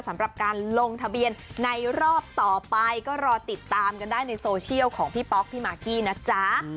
สำหรับการลงทะเบียนในรอบต่อไปก็รอติดตามกันได้ในโซเชียลของพี่ป๊อกพี่มากกี้นะจ๊ะ